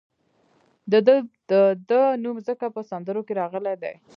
د ده نوم ځکه په سندرو کې راغلی دی.